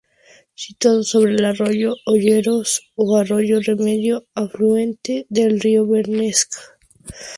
Situado sobre el Arroyo Olleros o Arroyo Remedio, afluente del río Bernesga.